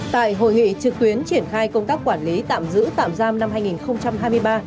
tại hội nghị trực tuyến triển khai công tác quản lý tạm giữ tạm giam năm hai nghìn hai mươi ba